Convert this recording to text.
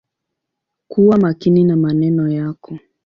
Kuwa makini na maneno yako.